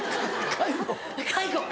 介護。